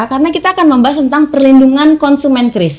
karena kita akan membahas tentang perlindungan konsumen kris